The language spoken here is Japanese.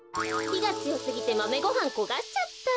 ひがつよすぎてマメごはんこがしちゃった。